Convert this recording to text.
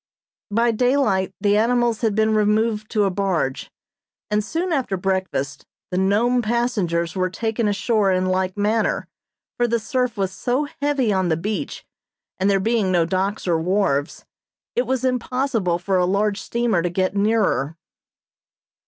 By daylight the animals had been removed to a barge, and soon after breakfast the Nome passengers were taken ashore in like manner, for the surf was so heavy on the beach, and there being no docks or wharves, it was impossible for a large steamer to get nearer.